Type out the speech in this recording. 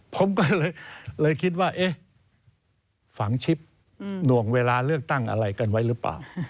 ผมก็เลยคิดว่าเอ๊ะฝังชิปหน่วงเวลาเลือกตั้งอะไรกันไว้หรือเปล่า